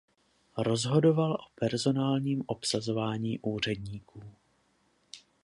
Rozhodoval o personálním obsazování úředníků.